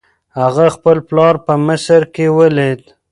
هغه خپل پلار په مصر کې ولید.